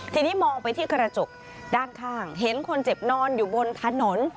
ทีนี้มองไปที่กระจกด้านข้างเห็นคนเจ็บนอนอยู่บนถนน